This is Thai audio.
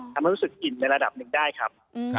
ทำให้รู้สึกอิ่มในระดับหนึ่งได้ครับ